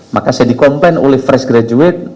maka saya dikompens oleh fresh graduate